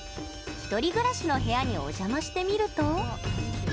１人暮らしの部屋にお邪魔してみると。